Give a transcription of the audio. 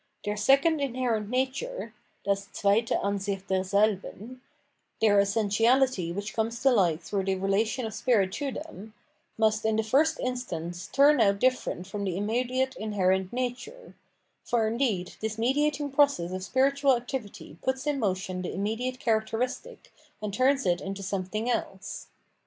Their second inherent nature {Bos zw&Ue Ansich derselhen )— their essentiality which comes to hght through the relation of spirit to them — must in the first instance turn out different from the immediate inherent nature ; for indeed this mediating process of spiritual activity puts in motion the im mediate characteristic, and turns it into something else.